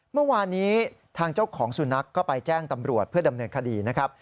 เมื่อวานนี้ทางเจ้าของสุนัขก็ไปแจ้งตำรวจเพื่อดำเนินคดีนะครับ